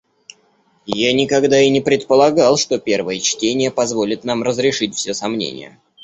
Я никогда и не предполагал, что первое чтение позволит нам разрешить все сомнения.